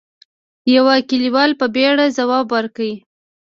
يوه کليوال په بيړه ځواب ورکړ: